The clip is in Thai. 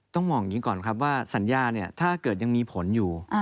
ต้องบอกอย่างนี้ก่อนครับว่าสัญญาเนี่ยถ้าเกิดยังมีผลอยู่